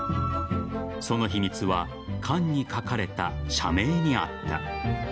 その秘密は缶に書かれた社名にあった。